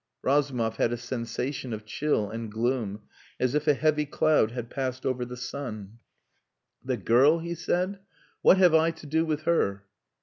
Razumov had a sensation of chill and gloom, as if a heavy cloud had passed over the sun. "The girl?" he said. "What have I to do with her?"